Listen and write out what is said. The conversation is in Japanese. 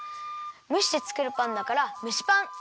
むしてつくるパンだから蒸しパン。